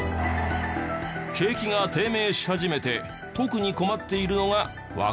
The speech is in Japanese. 景気が低迷し始めて特に困っているのが若者たち。